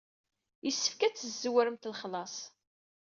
Yessefk ad teszewremt lexlaṣ.